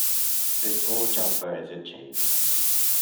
This wool jumper is itchy.